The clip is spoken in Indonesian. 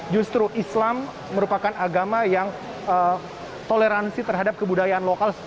justru islam merupakan agama yang toleransi terhadap kebudayaan lokal